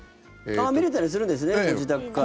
見れたりするんですね自宅から。